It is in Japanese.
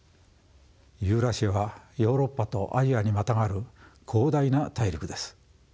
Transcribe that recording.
ユーラシアはヨーロッパとアジアにまたがる広大な大陸です。